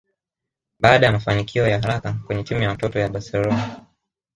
Baada ya mafanikio ya haraka kwenye timu ya watoto ya Barcelona